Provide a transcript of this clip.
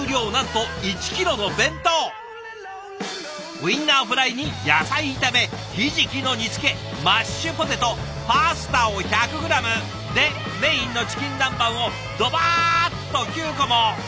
ウインナーフライに野菜炒めひじきの煮つけマッシュポテトパスタを１００グラムでメインのチキン南蛮をドバーッと９個も。